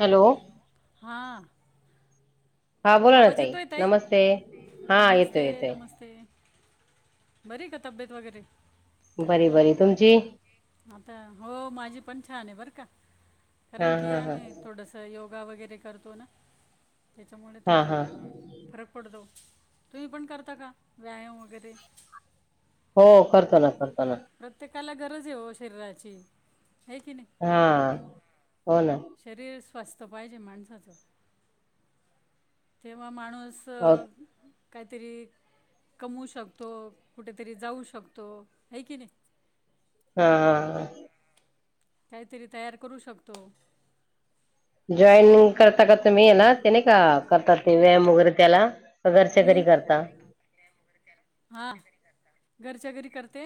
Hello! हां! हा बोला ना आवाज तई येतोय ताई नमस्ते हा येतोय, नमस्ते येतोय नमस्ते बरी का तब्येत वगैरे बरी बरी तुमची? आता हो माझी पण छान आहे बरं का हा कारण की हा हा आम्ही थोडस योग गा वगैरे करतो ना त्याच्यामुळे हा थोडा हा फरक पडतो तुम्ही पण करता का व्यायाम वगैरे. हो करतो ना, करतो. ना प्रत्येकाला गरज ओ शरीराची. आहे की नाही हा! हो ना शरीर स्वस्त पाहिजे माणसाच, तेव्हा माणू हो सं कायतरी कमु शकतो, कुठेतरी जाऊ शकतो, हाय कि नई हा! काहीतरी तयार करू शकतो जॉईनइन करता करता मीयना ते नाही का करता ते व्यायाम वगैरे त्याला का घरच्या हूं घरी करता हा घरच्या घरी कर ते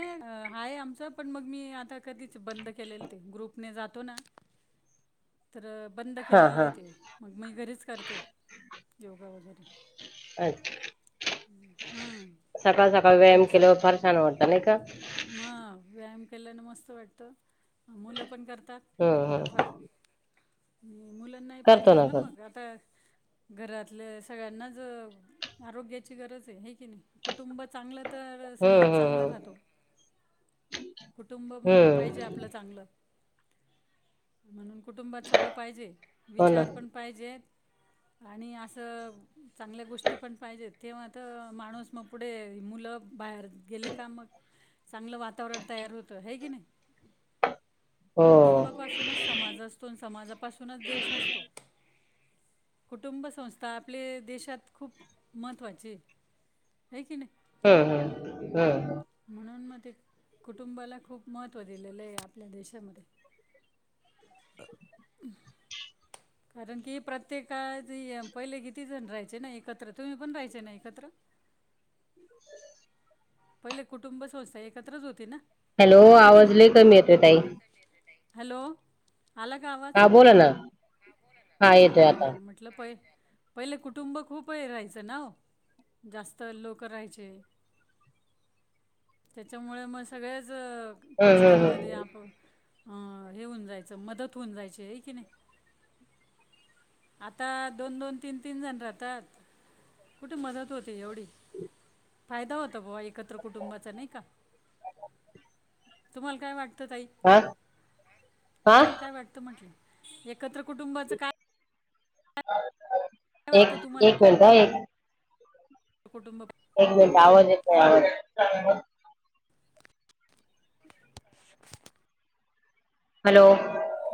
हाय आमचं, पण मग मी आता कधीच बंद केलेलंय. ते ग्रुपने जातो ना तर बंद हा केलेलं य हा ते मग मी घरीच करते योगा वगैरे अच्छा हां [unintelligible] सकाळ, सकाळ व्यायाम असं केल्यावर फार छानं वाटत नही का- मग व्यायाम केल्यानं मस्त वाटतं, मुलं पण करतात हम्म थोडंफार हम्म मुलांना ही करतो पाहिजेच ना मग करतो आता घरातल्या सगळ्यांनाच आरोग्याची गरज हे की नाही कुटुंब चांगलं. तर हम्म समाज चांगला राहतो. हम्म कुटुंब म हम्म पाहिजे हम्म आपलं चांगलं. म्हणून कुटुंबात सगळ पाहिजे, हो ना विचार पण पाहिजेत. आणि असं, चांगल्या गोष्टी पण पाहिजेत. तेव्हा त माणूस मग पुढे, मुलं बाहेर गेले का मग. चांगलं वातावरण तयार होतं, हाय कि नाही. हो कुटुंबापासूनच समाज असतो, आण समाजापासूनच देश असतो. कुटुंब संस्था, आपले देशात खूप महत्त्व आहे. हय की नाही. हं हं! म्हणून मग ते कुटुंबाला खूप महत्त्व दिलेलंय, आपल्या देशामध्ये. ह् कारण कि प्रत्येका पहिले किती जण राहायचे ना एकत्र तुम्ही पण राहायचे ना एकत्र [unintelligible] [unintelligible] पहिले कुटुंब संस्था एकत्रच होती ना हॅलो आहे की आवाज लई नाही कमी येतोय ताई हॅलो आला का आवाज हा बोला ना हा येतोय आता म्हटलं पय पहिले कुटुंब खूप हे राहायचं नाओ जास्त लोक राहायचे त्याच्यामुळे मग सगळ्याच हम्म हम्म गोष्टींमध्ये हम्म आप अं हे होऊन जायचं मदत होऊन जायची हय कि नाही आता दोन दोन तीन तीन जण राहतात कुठे मदत होते एवढी फायदा होतोबा एकत्र कुटुंबाचा नाही का तुम्हाला काय वाट हा हा तुम्हाला काय वाटत म्हटलं एकत्र कुटुंबाच काय वाटतं एक तुम्हाला एक मिनिट एक कुटुंब एक मिनिट आवज येतय आवज हॅलो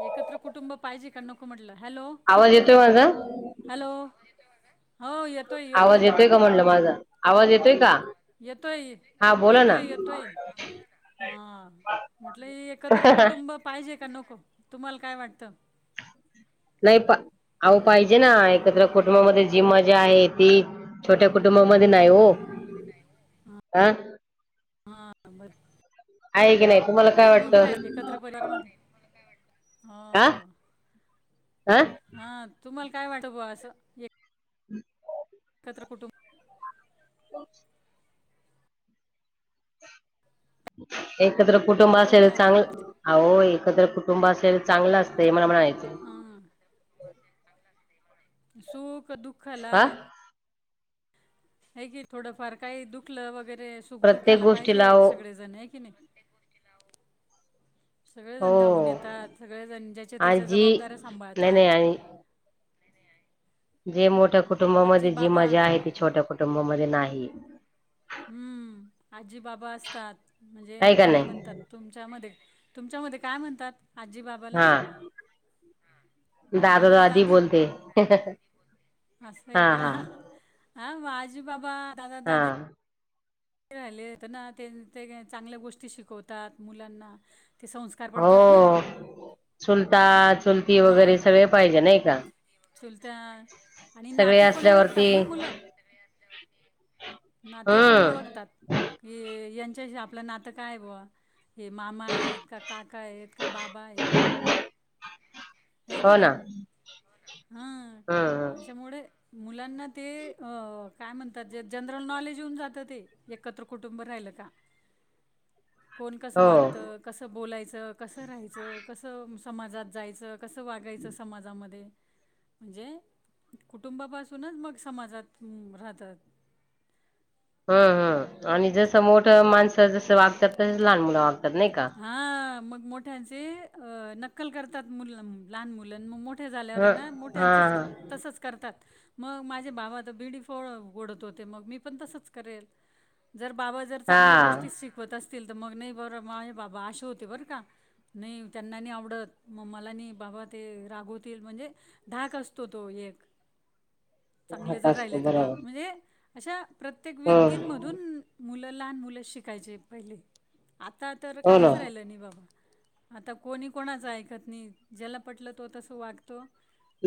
एकत्र कुटुंब पाहिजे का नको म्हटलं हॅलो आवाज येतोय माझा हॅलो हो येतोय आवाज येतोय का म्हटलं माझा आवाज येतोय का येतोय हा बोला ना येतोय येतोय हा म्हटल एकत्र कुटुंब पाहिजे का नोक तुम्हाला काय वाटत नाही आ पाहिजे ना एकत्र कुटुंबामध्ये जी मजा आहे ती छोट्या कुटुंबामध्ये नाही हो आं हा बर आहे की नाही तुम्हाला काय तुम्ही वाटतं रा एकत्र बजार मध्ये हो हा हा तुम्हाला काय वाटव ब असं एकत्र कुटुंब एकत्र कुटुंब असेल आहे चांगलं म्हणजे अहो एकत्र कुटुंब असेल चांगलं असतंय मला म्हणायचं हां सुख दुःखला हा हे की थोडं फार काही दुखलं वगैरे रे सुख प्रत्येक दुखाला पाहिजे गोष्टीला ओ सगळे जण आहे की नाही सगळेजण धावून हो येतात सगळेजण ज्याच्या आणि त्याच्या जी जबाबदाऱ्या नाही सांभाळतात नाही आणि जे मोठ्या आजी कुटुंबामध्ये जी बाबा मजा आहे ती छोट्या कुटुंबामध्ये नाही हम्म आजी बाबा असतात म्हणजे आहे का काय नाही म्हणतात तुमच्या म तुमच्यामध्ये काय म्हणतात आजी बाबाला हा दादा दादी बोलते कस आहे का हा ह आजूबाबा दादा हा दादी ख राहिले हो तर ना ते ते चांगल्या गोष्टी शिकवतात मुलांना ते संस्कार पडतात ना हो चुलता चुलती वगैरे सगळे पाहिजे नाही का चुलता आणि नाते पण ओळखतात ना मुलं हम् नाते पण ओळखतात की यांच्या आपलं नातं काय बा हे मामा आहेत का काका आहेत काय बाबा आहेत. हे क नाही. हां हा हा. त्याच्यामुळे मुलांना ते काय म्हणतात जे जनरल नॉलेज होऊन जातं ते एकत्र कुटुंब राहि का? कोण कसं हो वाटतं कसं बोलायचं कसं राहायचं कसं समाजात जायचं. कसं वागायचं समाजामध्ये म्हणजे कुटुंबापासूनच मग समाजात राहतात. [unintelligible] हम् हम आणि जसं मोठं माणसं जस वागतात तसच लहान मुलं वागतात. नाही का? हा मग मोठ्यांचे नक्कल करतात मु लहान मुलं मग मोठ. मोठे झाल्यावर आहे ह ना हा मोठ्यांचंच तसंच करतात. मग माझे भावा तर बिडी फ ओडत होते मग मी पण तसच करेल. जर बाबा जर हा चांगल्या गोष्टी शिकवत असतील तर मग नाही बबा माझ. बाबा असे होते बर का नाही त्यांना आवडत मग मला बाबा ते रागवतील म्हण. म्हणजे धाक असतो तो एक चांगले हा जर असतो राहिले तर बा बरोबर म्हणजे अशा प्रत्येक हम्म व्यक्तींमधून मुलं लहान मुलं शिकायचे पहिले आता तर हो ना काहीच राहिलं नाही बाबा. आता कोणी कोणाचं ऐकत नाही ज्याला पटलं तो तस वागतो.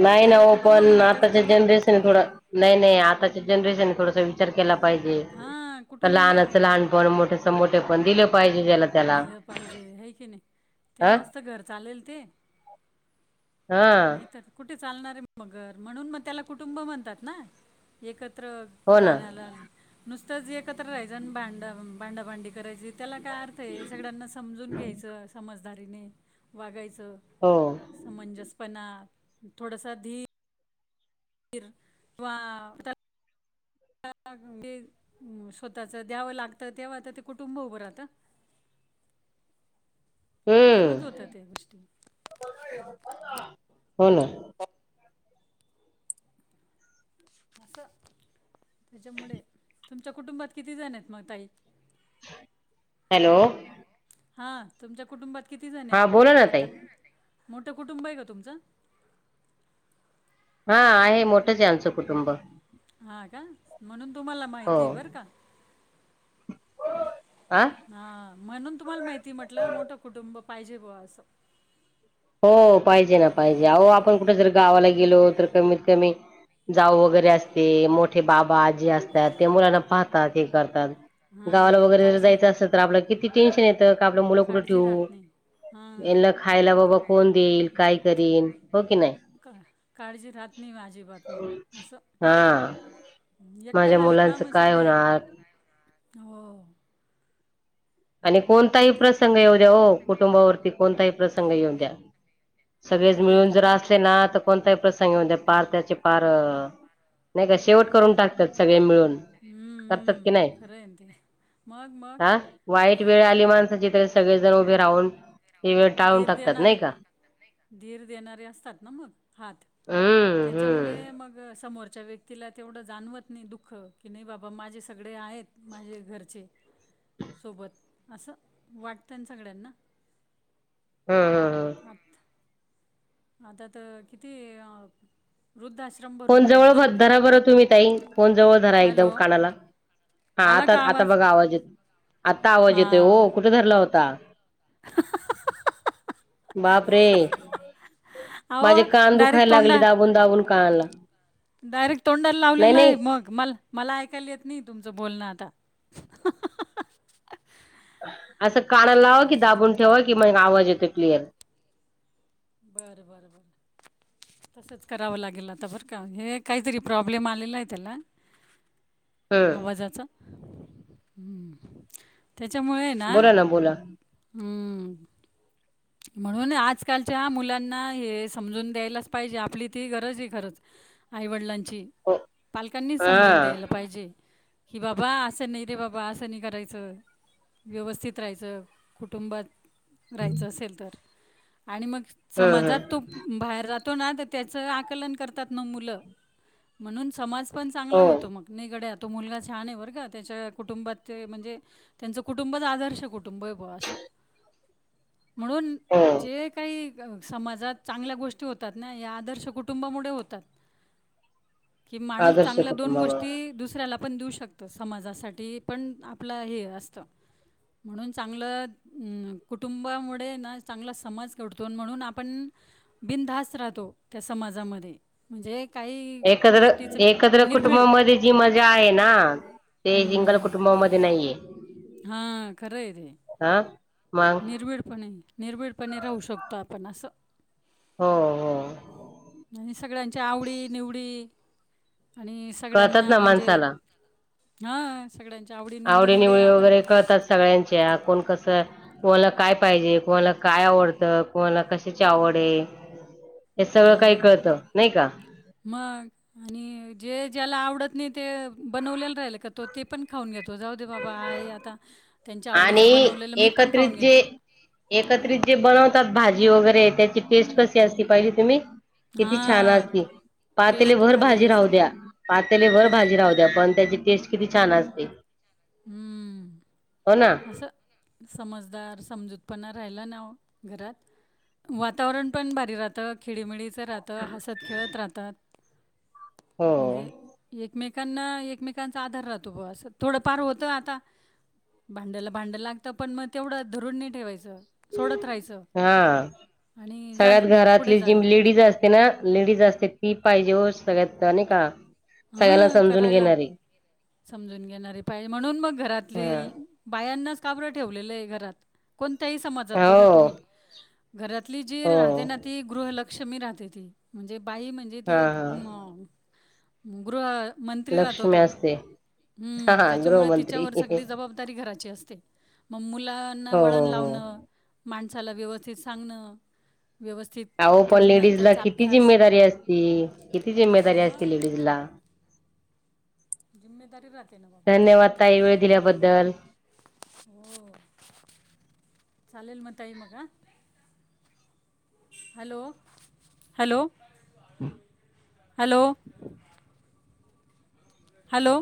नाही ना त्याला हो कुटुंब पण म्हणतच नाही आताच्या ना जनरेशन थोड नाही नाही आताच्या जनरेशन थोडस विचार केला पाहिजे हां कुटुंब लानच आम लहान पण मोठस मोठे पण दिले. दिलं पाहिजे हे कि नाही अ तेव्हाजत घर चालेल ते हा नाहीत कुठे चालणार आहे मर म्हणून मग त्याला कुटुंब म्हणतात ना एकत. हो ना राण्या नु जे एकत्र राहाचं भांड भांड भांडी करायची त्याला काय? अर्थ सगळ्यांना समजून घ्यायचं समजदारीने वागायच. हो म्हजस पण थोडसा धी [unintelligible] हा. ते स्वतःच द्यावं लागत तेव्हा आता ते कुटुंब उभं राहत. [unintelligible] तेव्हाच होत हम्म त्या गोष्टी हो ना. अस त्याच्यामुळे तुमच्या कुटुंबात किती जण आहेत मग ताई. हॅलो. हा तुमच्या कुटुंबात किती जण हा बोला आहेत ना ताई आता मोठं कुटुंब आहे का तुमचं? हा आहे मोठंच आहे आमचं कुटुंब हा का म्हणून तुम्हाला हो माहिती बर का? आ हा म्हणून तुम्हाला माहिती म्हटलं मोठं कुटुंब पाहिजे ब असं. हो पाहिजे ना पाहिजे अहो आपण कुठे जर गावाला गेलो तर कमीत कमी जाऊ वगैरे असते मोठे बाबाजी असतात ते मुलांना पाहतात हे करतात. गावाला हां वगैरे जर काळजी जायचं असेल तर आपल्या किती टेन्शन येतं क आपलं मुलं कुठं काळजी ठेवू. राहत नाही हां यांना खरं खायला आहे ते बाबा कोण देईल काय करल हो की नाही. का काळजी राहत नाही अजिबात मग असं. हा एकटं माझ्या मुलांचं काय होणार? ह. आणि कोणताही प्रसंग येऊ द्या हो कुटुंबावरती कोणताही प्रसंग येऊ द्या. दे सगळेच खरं आहे मिळून ते जर असले ना तर कोणताही प्रसंग येऊ पार त्याचे पार नाही का शेवट करून टाकतात सगळे मिळून हम्म, करतात की हम्म, नाही खरं आहे ना ते मग मग हा वाईट वेळ आली माणसाची तर सगळेजण उभे राहून ते वेळ टाळून धीर टाकतात देणारे नाही का धीर देणारे असतात ना मग हात हम्म हम्म त्याच्यामुळे मग समोरच्या व्यक्तीला तेवढं जाणवत नाही दुःख की नाही बाबा माझे सगळे आहेत माझे घरचे सोबत असं वाटतं ना सगळ्यांना हम्म हम्म हम्म आम अतात किती अ फोन जवळधरा बरं तुम्ही ताई फोन जवळ धरा एकदम हॅलो कानाला हा आला आता का आता बघा आवाज येत आता आवाज येतोय कुठे धरला होता हहहहहहह बाप रे अहो माझे कान डायरेक्ट दुखायला लागले तोंडा दाबून दाबून कानला डायरेक्ट तोंडाला लावलेला आहे मग म मला ऐकायला येत नाही तुमच ो बोल ना आता असं काना काय लावा कि दाबून ठेवा की मग आवाज येतो क्लिअर बरं बरं बरं तसंच करावं लागेल आता बरं का हे काहीतरी प्रॉब्लेम आलेला आहे त्याला हम्म आवाजाचा हम्म त्याच्यामुळे ना बोला बोला हम्म म्हणून आजकालच्या मुलांना हे समजून द्यायलाच पाहिजे आपली ती गरज आहे खरंच आईवडिलांची हो पालकांनी हा समजून द्यायला पाहिजे कि बाबा असं नाही रे बाबा असं नाही करायचं व्यवस्थित राहायचं कुटुंबात हम् राहायचं आणि मग हम्म समाजात तो बाहेर ज त्याच आकलन करतात मुल म्हणून समाज पण चांगला हो होतो मग निगड तो मुलगा छान आहे बरं का त्याच्या कुटुंबात ते म्हणजे त्यांचं कुटुंबच आदर्श कुटुंब आहे ब असं म्हणून हो जे काही समाजात चांगल्या गोष्टी होतात ना या आदर्श कुटुंबामुळे होतात की माणूस आदर्श चांगल्या दोन कुटुंबामुळे. गोष्टी दुसऱ्याला आपण देऊ शकतो समाजासाठी पण आपलं हे असतं म्हणून चांगलं कुटुंब कुटुंबामुळे ना चांगला समाज घडतो म्हणून आपण बिनधास राहतो त्या समाजामध्ये म्हणजे काही एकत्र गोष्टीचं एकत्र निर्भीड कुटुंबामध्ये जी मजा आहे ना ते सिंगल कुटुंबामध्ये नाहीये हा खरं रे हा मग निर्भिडपणे निर्भिडपणे राहू शकतो आपण असं हो हो आवडी निवडी आणि कळतात सगळ्यांना ना म्हणजे माणसाला हां सगळ्यांच्या आवडी आवडी-निवडीमुळे निवळी आपण वगैरे कळतात सगळ्यांच्या कोण कसं कोणाला काय पाहिजे कोणाला काय आवडतं कोणाला कशाची आवड आहे हे सगळं काही हा कळतं नाही का मग आणि जे ज्याला आवडत ते बनवलेला राहिल का तो ते पण खाऊन घेतो जाऊ दे बाबा आहे आता त्यांच्या आवडीचं आणि बनवलेलं मी पण खाऊन एकत्रित जे घेतो. एकत्रित जे बनवतात भाजी वगैरे अे त्याची टेस्ट कशी असती पाहिजे तुम्ही किती छान हां, असती पातेली टेस्ट भर भारीच भाजी राहू असते. द्या पातेली भर खरं आहे. भाजी राहू द्या पण त्याची टेस्ट किती छान असते हो ना हम्म असं समजदार समजूतपना राहिला ना घरात वातावरण पण भारी राहत खिळीमिळीच राहतं हसत खेळत राहत हो म्हणजे एकमे ना एकमेकांचा आधार राहतो ब अस थोडंफार होत आता भांड्याला भांड लागतं पण मग तेवढं धरून नाही ठेवायचं सोडत राहायचं हा आणि जा सगळ्यात पुढे घरातली जा जी लेडीज असते ना लेडीज असते ही पाहिजे हो सगळ्यात आणि का सगळ्यांना हां समजून करायला घेणारे समजून घेणारे पाहिजे म्हणून मग घरातले हा बायांनाच काब्र ठेवलेलं आहे घरात कोण समज बघा हो तुम् घरातली जी हो राह ना त ग लक्ष्मी राहते ती म्हणजे बाई म्हणजे ती हा एक हा गृह लक्ष्मी्या असते हा हम्म हा त्याच्यामुळे गृहमंत्री तिच्यावर हो सगळी जबाबदारी घराची असते मग मुलांना वळण हो हो लावणं माणसाला व्यवस्थित सांगणं व्यवस्थित अहो पण त्यांना लेडीज ला त्यांचा किती अभ्यास जिम्मेदारी असती किती जिम्मेदारी असती मग लेडीज ला जिम्मेदारी राहते ना बाबा धन्यवाद ताई वेळ दिल्याबद्दल हो चालेल म म हॅलो हॅलो हम हॅलो. हॅलो